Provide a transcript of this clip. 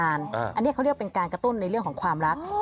อันนี้เขาเรียกเป็นการกระตุ้นในเรื่องของความรัก